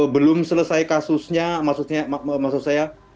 belum selesai kasusnya maksud saya